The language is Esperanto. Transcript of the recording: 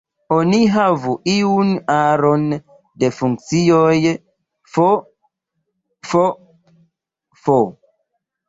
Oni havu iun aron de funkcioj "f", "f"..., "f".